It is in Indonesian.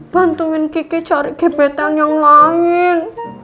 bantuin kiki cari gipetan yang lain